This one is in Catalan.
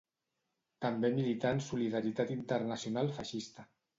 També milità en Solidaritat Internacional Feixista.